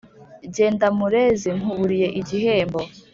Jyenda Murezi nkuburiye igihembo!